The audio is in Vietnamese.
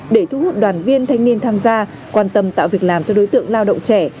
để thu hút đoàn viên thanh niên tham gia quan tâm tạo việc làm cho đối tượng lao động trẻ